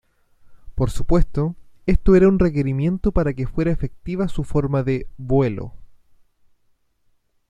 Por supuesto, esto era un requerimiento para que fuera efectiva su forma de "vuelo".